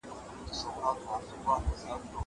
زه اوس سړو ته خواړه ورکوم!!